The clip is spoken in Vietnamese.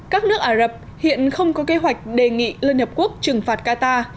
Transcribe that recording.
các nước ả rập hiện không có kế hoạch đề nghị liên hợp quốc trừng phạt qatar